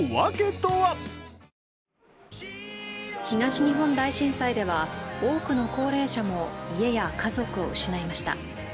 東日本大震災では多くの高齢者も家や家族を失いました。